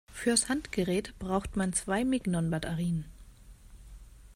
Fürs Handgerät braucht man zwei Mignon-Batterien.